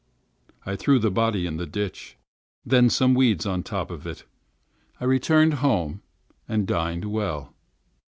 I threw the body in the ditch, and some weeds on top of it. I returned home, and dined well.